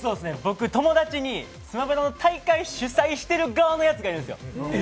友達に「スマブラ」を大会主催している側のやつがいるんですよ。